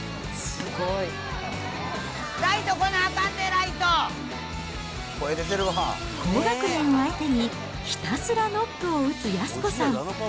ライト、高学年を相手に、ひたすらノックを打つ安子さん。